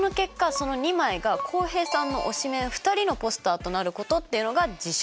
その２枚が浩平さんの推しメン２人のポスターとなることっていうのが事象なんです。